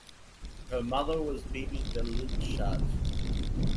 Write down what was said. Her mother was Bibi Daulat Shad.